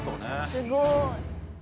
すごい。